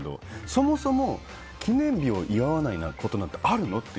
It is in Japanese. そもそも、記念日を祝わないことなんてあるの？って